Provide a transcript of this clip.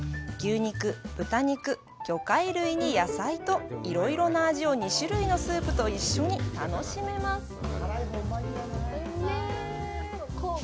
牛肉、豚肉、魚介類に野菜といろいろな味を２種類のスープと一緒に楽しめます。